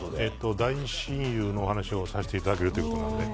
大親友とお話をさせていただけるということで。